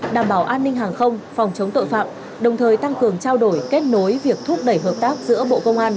đảm bảo an ninh hàng không phòng chống tội phạm đồng thời tăng cường trao đổi kết nối việc thúc đẩy hợp tác giữa bộ công an